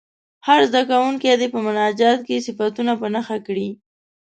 هر زده کوونکی دې په مناجات کې صفتونه په نښه کړي.